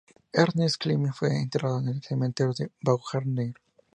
Ernst Klimt fue enterrado en el cementerio Baumgartner.